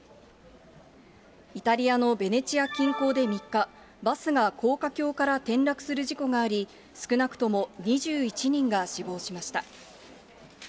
イタリアのベネチア近郊で３日、バスが高架橋から転落する事故があり、少なくとも２１人が死亡しました。